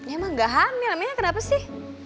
emang gak hamil emangnya kenapa sih